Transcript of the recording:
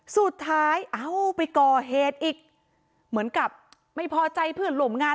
เอ้าไปก่อเหตุอีกเหมือนกับไม่พอใจเพื่อนร่วมงาน